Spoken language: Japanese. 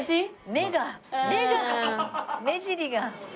目が目が目尻が。